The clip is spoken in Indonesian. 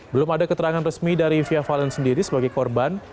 belum ada keterangan resmi dari fia valen sendiri sebagai korban